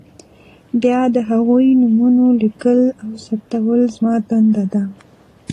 بیا د هغوی نومونه لیکل او ثبتول زما دنده ده.